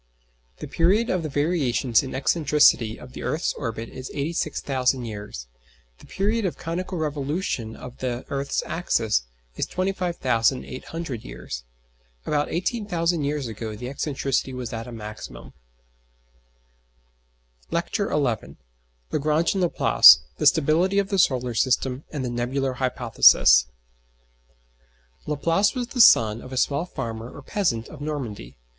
The period of the variations in excentricity of the earth's orbit is 86,000 years; the period of conical revolution of the earth's axis is 25,800 years. About 18,000 years ago the excentricity was at a maximum. LECTURE XI LAGRANGE AND LAPLACE THE STABILITY OF THE SOLAR SYSTEM, AND THE NEBULAR HYPOTHESIS Laplace was the son of a small farmer or peasant of Normandy.